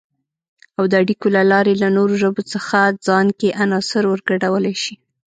او د اړیکو له لارې له نورو ژبو څخه ځان کې عناصر ورګډولای شي